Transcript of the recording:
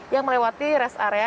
yang melewati rest area